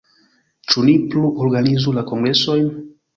Ĉu ni plu organizu la kongresojn?